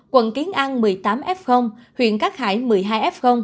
quận kiến an một mươi tám f huyện cát hải một mươi hai f